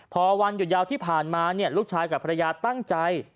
พอวันหยุดยาวที่ผ่านมาลูกชายกับภรรยาตั้งใจ